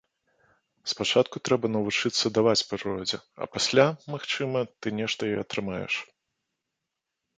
Спачатку трэба навучыцца даваць прыродзе, а пасля, магчыма, ты нешта і атрымаеш.